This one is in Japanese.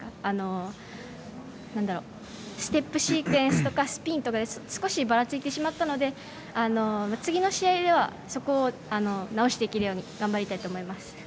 ステップシークエンスとかスピンとか少しばらついてしまったので次の試合ではそこを直していけるように頑張りたいと思います。